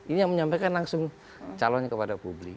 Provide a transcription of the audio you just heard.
ini yang menyampaikan langsung calonnya kepada publik